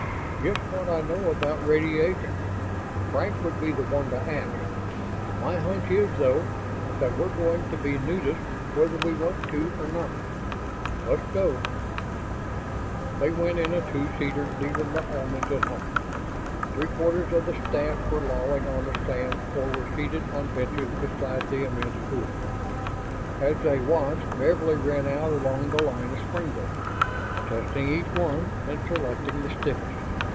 "Just what I know about radiation. Frank would be the one to ask. My hunch is, though, that we're going to be nudists whether we want to or not. Let's go." They went in a two seater, leaving the Omans at home. Three quarters of the staff were lolling on the sand or were seated on benches beside the immense pool. As they watched, Beverly ran out along the line of springboards; testing each one and selecting the stiffest.